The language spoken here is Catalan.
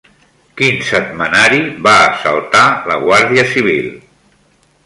Quin setmanari va assaltar la Guàrdia Civil?